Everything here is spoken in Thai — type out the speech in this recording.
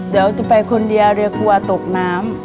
เดี๋ยวจะไปคนเดียวเดี๋ยวกลัวตกน้ำ